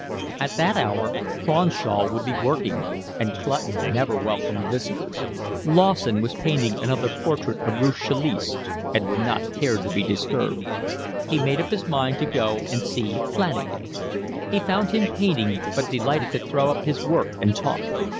At that hour Cronshaw would be working, and Clutton never welcomed visitors; Lawson was painting another portrait of Ruth Chalice and would not care to be disturbed. He made up his mind to go and see Flanagan. He found him painting, but delighted to throw up his work and talk.